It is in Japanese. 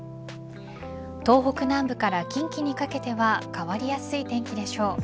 東北南部から近畿にかけては変わりやすい天気でしょう。